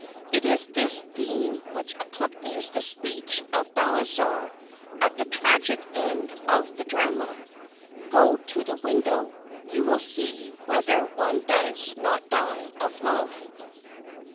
It is this theme which accompanies the speech of Balthazar at the tragic end of the drama: "Go to the window you will see whether one does not die of love!"